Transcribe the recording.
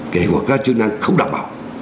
kể cả các chức năng không đảm bảo